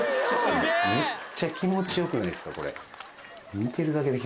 むっちゃ気持ちよくないですかこれ。